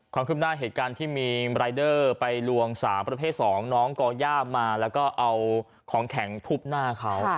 ความคืบหน้าเหตุการณ์ที่มีรายเดอร์ไปลวงสาวประเภท๒น้องก่อย่ามาแล้วก็เอาของแข็งทุบหน้าเขา